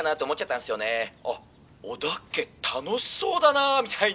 あっ織田家楽しそうだなみたいな」。